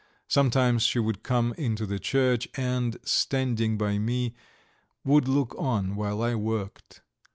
Sometimes she would come into the church, and, standing by me, would look on while I worked.